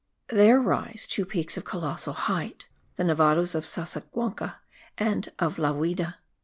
There rise two peaks of colossal height, the Nevados of Sasaguanca and of La Viuda.